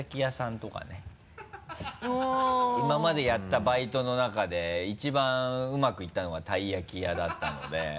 今までやったバイトの中で一番うまくいったのがたい焼き屋だったので。